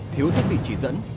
thiếu thiết bị chỉ dẫn